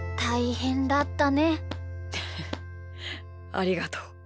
ありがとう。